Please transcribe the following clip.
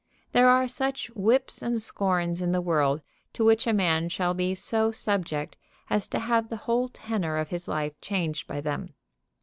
There are such "whips and scorns" in the world to which a man shall be so subject as to have the whole tenor of his life changed by them.